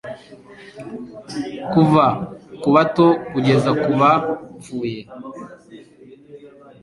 kuva ku bato kugeza ku bapfuye